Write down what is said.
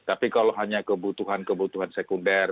tapi kalau hanya kebutuhan kebutuhan sekunder